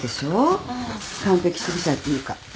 完璧主義者っていうか。